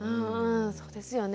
そうですよね。